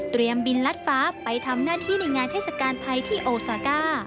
บินลัดฟ้าไปทำหน้าที่ในงานเทศกาลไทยที่โอซาก้า